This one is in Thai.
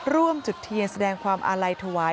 จุดเทียนแสดงความอาลัยถวาย